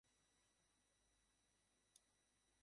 তোকে আমি একটা শিক্ষা দেব।